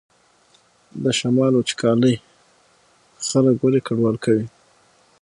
د شمال وچکالي خلک ولې کډوال کوي؟